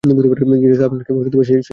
Jesus আপনারা কেউ সেই লোককে ধরতে পারেননি?